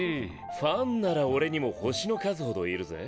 ファンなら俺にも星の数ほどいるぜ。